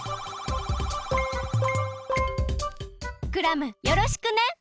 クラムよろしくね！